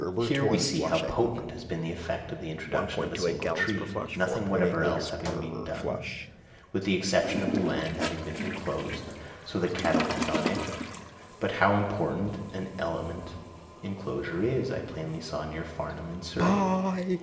Here we see how potent has been the effect of the introduction of a single tree, nothing whatever else having been done, with the exception of the land having been enclosed, so that cattle could not enter. But how important an element enclosure is, I plainly saw near Farnham, in Surrey.